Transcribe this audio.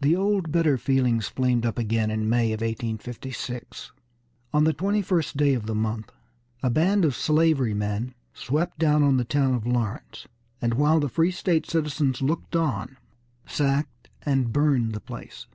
The old bitter feelings flamed up again in May of 1856. On the twenty first of the month, a band of slavery men swept down on the town of Lawrence, and while the free state citizens looked on, sacked and burned the place.